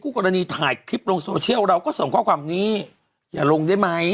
กูกรณีถ่ายลงเราก็ส่งค้อความนี้อย่าลงได้มั้ย